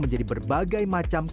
kini elizabeth telah memperbaiki